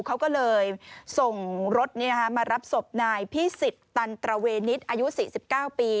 เขาก็เลยส่งรถมารับศพนายพิสิทธิ์ตันตระเวนิษฐ์อายุ๔๙ปี